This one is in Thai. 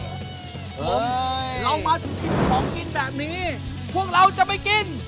เฮ้ยหลงมาจุดที่อีกของกินแบบนี้พวกเราจะไปกิน